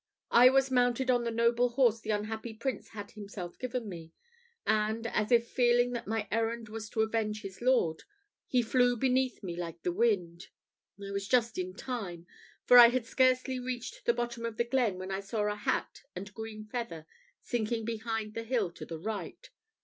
I was mounted on the noble horse the unhappy Prince had himself given me; and, as if feeling that my errand was to avenge his lord, he flew beneath me like the wind. I was just in time; for I had scarcely reached the bottom of the glen when I saw a hat and green feather sinking behind the hill to the right.